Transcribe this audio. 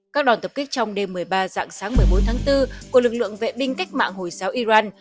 các đoàn tập kích trong đêm một mươi ba dạng sáng một mươi bốn tháng bốn của lực lượng vệ binh cách mạng hồi giáo iran